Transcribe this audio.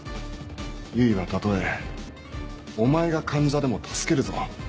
唯はたとえお前が患者でも助けるぞ。